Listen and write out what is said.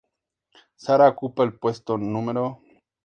Sara ocupa el puesto No.